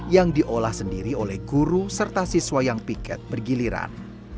yang diolah sendiri oleh guru serta siswa yang piket bergiliran